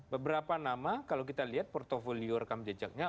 beberapa nama kalau kita lihat portfolio rekam jejaknya